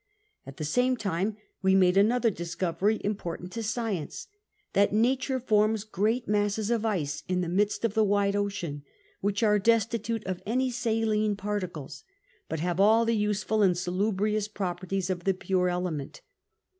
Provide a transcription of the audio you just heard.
At the same time we made another dis covery important to science, that nature forms great masses of ice in the midst of the wide ocean,, which are destitute of any saline psirticles, but have all the useful apd salubrious proper ties of the pure clement.